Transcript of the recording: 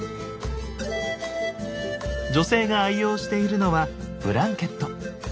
女性が愛用しているのはブランケット。